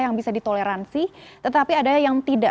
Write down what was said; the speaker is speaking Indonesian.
yang bisa ditoleransi tetapi ada yang tidak